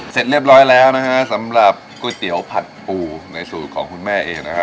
เสร็จเรียบร้อยแล้วนะฮะสำหรับก๋วยเตี๋ยวผัดปูในสูตรของคุณแม่เองนะฮะ